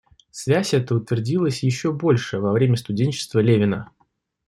Связь эта утвердилась еще больше во время студенчества Левина.